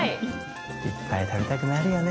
いっぱい食べたくなるよね！